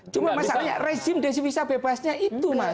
cuma masalahnya rezim desivisa bebasnya itu mas